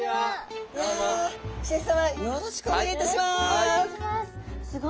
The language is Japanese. シェフさまよろしくお願いいたします。